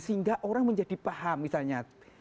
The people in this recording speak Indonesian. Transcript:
sehingga orang menjadi paham misalnya